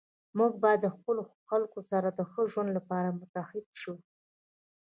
موږ باید له خپلو خلکو سره د ښه ژوند لپاره متحد شو.